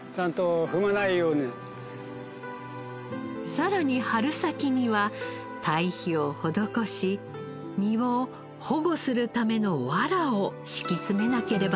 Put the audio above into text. さらに春先には堆肥を施し実を保護するための藁を敷き詰めなければなりません。